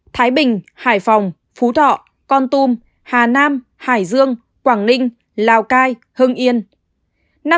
thái bình hải phòng phú thọ con tum hà nam hải dương quảng ninh lào cai hưng yên